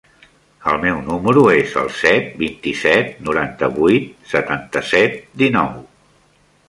El meu número es el set, vint-i-set, noranta-vuit, setanta-set, dinou.